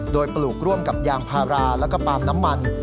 โดยปลูกร่วมกับยางพาราแล้วก็ปาล์มน้ำมัน